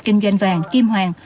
kinh doanh vàng kim hoàng